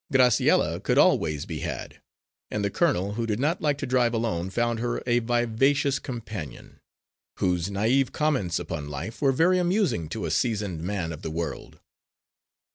Graciella could always be had, and the colonel, who did not like to drive alone, found her a vivacious companion, whose naïve comments upon life were very amusing to a seasoned man of the world.